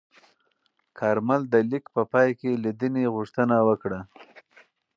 کارمل د لیک په پای کې لیدنې غوښتنه وکړه.